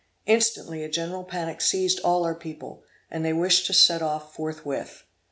Instantly a general panic seized all our people, and they wished to set off forthwith.